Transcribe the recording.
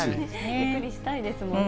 ゆっくりしたいですもんね。